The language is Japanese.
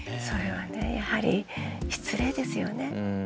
それはねやはり失礼ですよね。